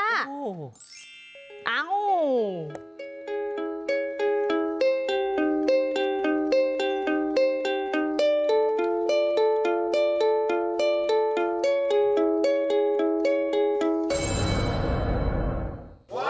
อ้าว